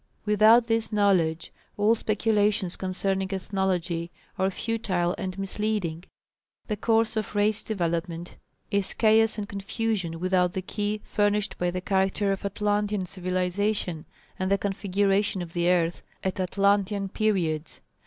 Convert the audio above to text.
Without this knowledge all speculations concerning ethnology are futile and misleading. The course of race development is chaos and confusion without the key furnished by the character of Atlantean civilization and the configuration of the earth at Atlantean periods.